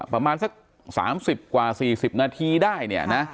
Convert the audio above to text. ประมาณสัก๓๐กว่า๔๐นาทีได้